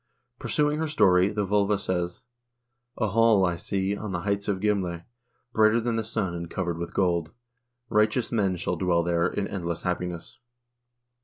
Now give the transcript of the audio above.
Pursuing her story, the vglva says : A hall I see on the heights of Girale,1 brighter than the sun, and covered with gold ; righteous men shall dwell there in endless happiness.